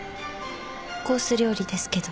コース料理ですけど。